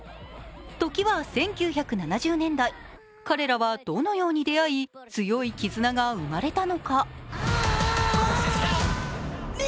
時は、１９７０年代、彼らはどのように出会い、強い絆が生まれたのか。